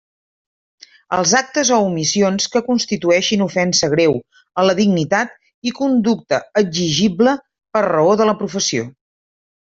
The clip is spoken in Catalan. Els actes o omissions que constitueixin ofensa greu a la dignitat i conducta exigible per raó de la professió.